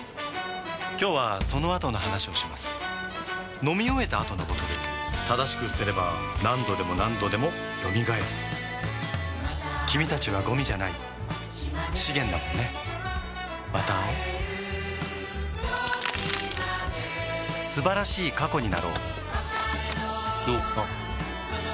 今日はそのあとの話をします飲み終えた後のボトル正しく捨てれば何度でも何度でも蘇る君たちはゴミじゃない資源だもんねまた会おう素晴らしい過去になろうおっおっ